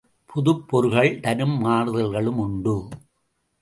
புதுப்பொருள்கள் தரும் மாறுதல்களும் உண்டு.